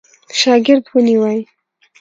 شاګرد ونیوی.